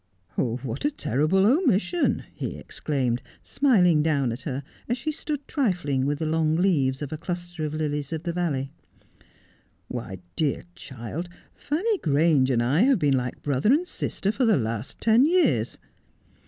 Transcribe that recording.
' What a terrible omission !' he exclaimed, smiling down at her, as she stood trifling with the long leaves of a cluster of lilies of the valley. ' Why, dear child, Fanny Grange and I have been like brother and sister for the last ten years.